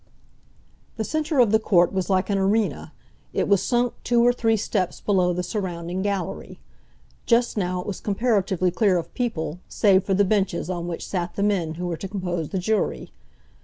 The centre of the court was like an arena; it was sunk two or three steps below the surrounding gallery. Just now it was comparatively clear of people, save for the benches on which sat the men who were to compose the jury.